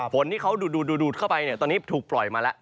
ฝนที่เขาดูดเข้าไปเนี่ยตอนนี้ถูกปล่อยมาแล้ว